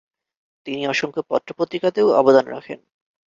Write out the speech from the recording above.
তিনি অসংখ্য পত্র-পত্রিকাতেও অবদান রাখেন।